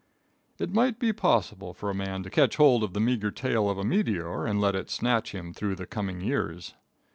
It might be possible for a man to catch hold of the meager tail of a meteor and let it snatch him through the coming years.